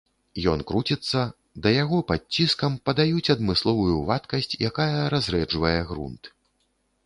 Ён круціцца, да яго пад ціскам падаюць адмысловую вадкасць, якая разрэджвае грунт.